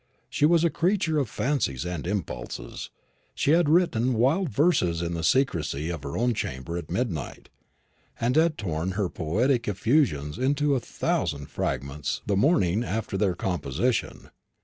She was a creature of fancies and impulses. She had written wild verses in the secrecy of her own chamber at midnight, and had torn her poetic effusions into a thousand fragments the morning after their composition.